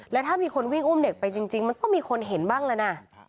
แล้วถ้ามีคนวิ่งอุ้มเด็กไปจริงมันต้องมีคนเห็นบ้างแล้วนะ